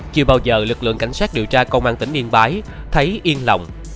chưa bao giờ lực lượng cảnh sát điều tra công an tỉnh yên bái thấy yên lòng